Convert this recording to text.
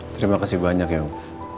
terima kasih banyak ya om